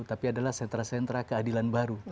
tapi adalah sentra sentra keadilan baru